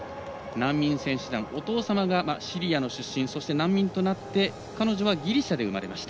難民選手団、お父さんがシリアの出身、難民となって彼女はギリシャで生まれました。